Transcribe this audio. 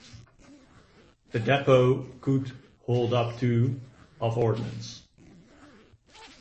The depot could hold up to of ordnance.